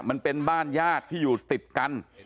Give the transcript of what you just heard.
มันเป็นบ้านญาติที่อยู่ติดกัน